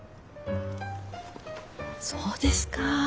そうですか。